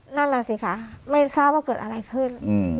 นั่นแหละสิคะไม่ทราบว่าเกิดอะไรขึ้น